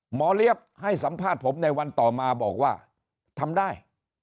เลี้ยบให้สัมภาษณ์ผมในวันต่อมาบอกว่าทำได้